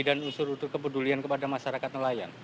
dan unsur unsur kepedulian kepada masyarakat nelayan